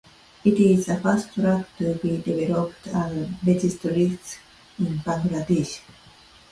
It is the first drug to be developed and registered in Bangladesh.